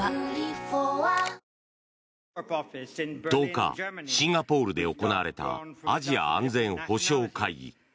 １０日シンガポールで行われたアジア安全保障会議。